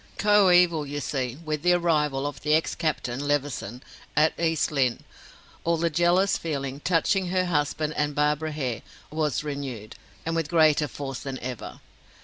Coeval, you see, with the arrival of the ex captain, Levison, at East Lynne, all the jealous feeling, touching her husband and Barbara Hare, was renewed, and with greater force than ever.